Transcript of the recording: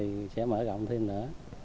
mình sẽ mở rộng thêm nữa